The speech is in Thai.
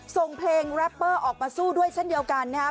ส่งเพลงแรปเปอร์ออกมาสู้ด้วยเช่นเดียวกันนะครับ